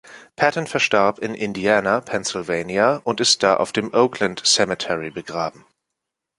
Patton verstarb in Indiana, Pennsylvania und ist da auf dem Oakland Cemetery begraben.